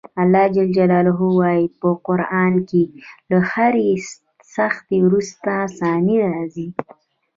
الله ج وایي په قران کې له هرې سختي وروسته اساني راځي.